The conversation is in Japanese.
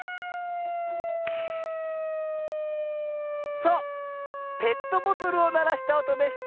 そうペットボトルをならしたおとでした。